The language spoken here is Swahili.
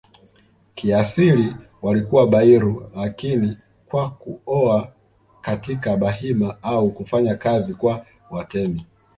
kiasili walikuwa Bairu lakini kwa kuoa katika Bahima au kufanya kazi kwa Watemi